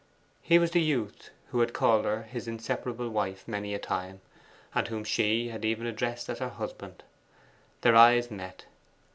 He was the youth who had called her his inseparable wife many a time, and whom she had even addressed as her husband. Their eyes met.